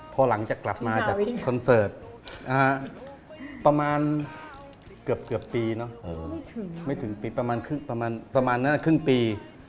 พอหลังจากกลับมาจากคอนเสิร์ตประมาณเกือบปีไม่ถึงปีประมาณนั้นครึ่งปี